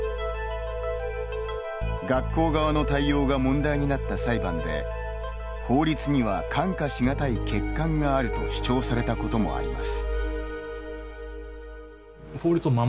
学校側の対応が問題になった裁判で、法律には看過しがたい欠陥があると主張されたこともあります。